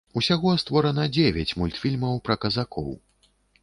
Усяго створана дзевяць мультфільмаў пра казакоў.